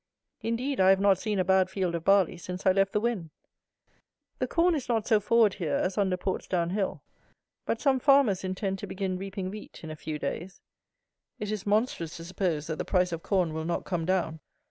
Indeed I have not seen a bad field of barley since I left the Wen. The corn is not so forward here as under Portsdown Hill; but some farmers intend to begin reaping wheat in a few days. It is monstrous to suppose that the price of corn will not come down.